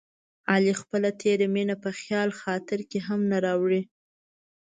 علي خپله تېره مینه په خیال خاطر کې هم نه راوړي.